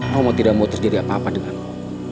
romo tidak mau terjadi apa apa denganmu